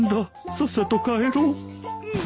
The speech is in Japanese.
さっさと帰ろうううっ。